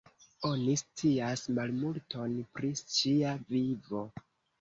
Oni scias malmulton pri ŝia vivo.